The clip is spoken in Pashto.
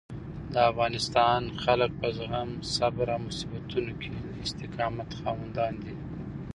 د افغانستان خلک په زغم، صبر او په مصیبتونو کې د استقامت خاوندان دي.